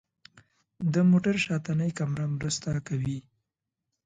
د موټر شاتنۍ کامره مرسته کوي.